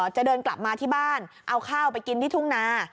จะเดินกลับมาที่บ้านเอาข้าวไปกินที่ทุ่งนา